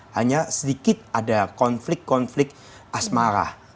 hanya sedikit ada konflik konflik asmara